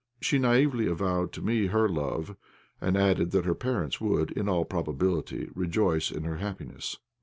She naïvely avowed to me her love, and added that her parents would, in all probability, rejoice in her happiness.